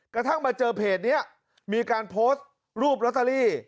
กระทั่งมาเจอเพจนี้มีการโพสต์รูปลอตเตอรี่